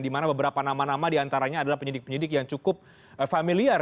di mana beberapa nama nama di antaranya adalah penyidik penyidik yang cukup fasilitas